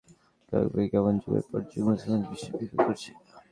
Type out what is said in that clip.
যার কাহিনী তোমাকে বিস্ময়াভিভূত করবে যেমন যুগের পর যুগ মুসলমানদের বিস্ময়াভিভূত করেছে।